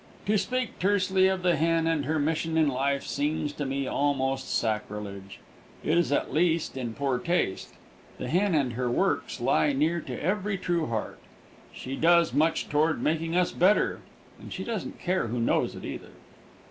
To speak tersely of the hen and her mission in life seems to me almost sacrilege. It is at least in poor taste. The hen and her works lie near to every true heart. She does much toward making us better, and she doesn't care who knows it, either.